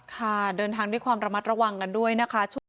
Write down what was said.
ค่ะเดินทางด้วยความระมัดระวังกันด้วยนะคะ